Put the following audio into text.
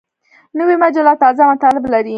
نوې مجله تازه مطالب لري